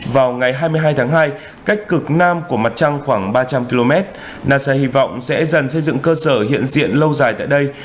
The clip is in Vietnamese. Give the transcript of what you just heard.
vào ngày hai mươi hai tháng hai cách cực nam của mặt trăng khoảng ba trăm linh km nasa hy vọng sẽ dần xây dựng cơ sở hiện diện lâu dài tại đây